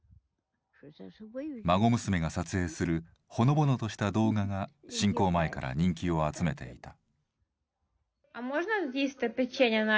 孫娘が撮影するほのぼのとした動画が侵攻前から人気を集めていた。